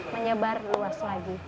menyebar luas lagi